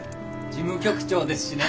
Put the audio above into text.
事務局長ですしね！